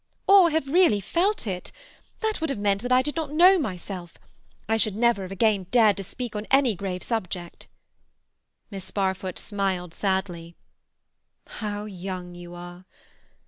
"Or have really felt it. That would have meant that I did not know myself. I should never again have dared to speak on any grave subject." Miss Barfoot smiled sadly. "How young you are!